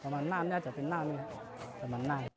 มันน่านนี้จะเป็นน่านนี้